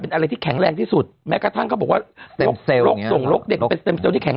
เพราะว่านีกว่าถ้าขายแรง